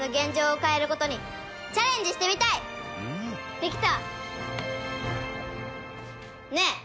できた！